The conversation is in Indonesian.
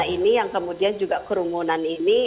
ini yang kemudian juga kerumunan ini